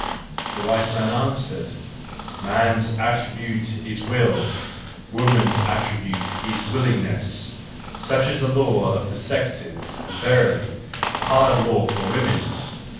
" The wise man answered: " Man's attribute is will, woman's attribute is willingness,— such is the law of the sexes, verily ! a hard law for woman!